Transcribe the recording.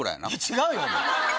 違うよ！